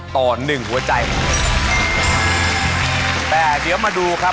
แต่เดี๋ยวมาดูครับ